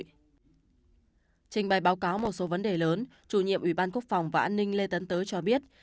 trình bày báo cáo một số vấn đề lớn chủ nhiệm ủy ban quốc phòng và an ninh lê tấn tới cho biết